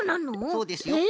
そうですよ。え！